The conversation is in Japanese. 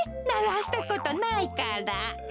ならしたことないから。